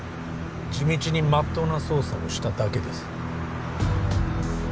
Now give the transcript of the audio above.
地道にまっとうな捜査をしただけです